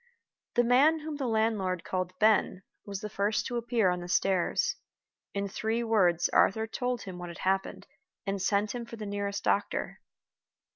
The man whom the landlord called "Ben" was the first to appear on the stairs. In three words Arthur told him what had happened, and sent him for the nearest doctor.